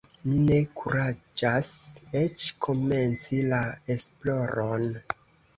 Mi ne kuraĝas eĉ komenci la esploron!